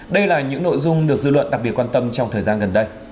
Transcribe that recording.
đây là những nội dung được dư luận đặc biệt quan tâm trong thời gian gần đây